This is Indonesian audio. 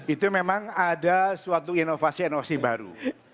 itu memang ada suatu inovasi inosi baru